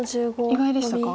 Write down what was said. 意外でしたか？